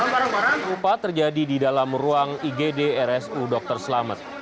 rupa terjadi di dalam ruang igd rsu dr selamet